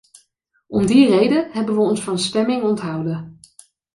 Om die reden hebben we ons van stemming onthouden.